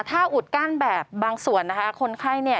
ถ้าอุดกั้นแบบบางส่วนคนไข้